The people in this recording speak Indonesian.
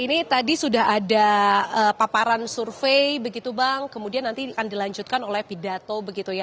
ini tadi sudah ada paparan survei begitu bang kemudian nanti akan dilanjutkan oleh pidato begitu ya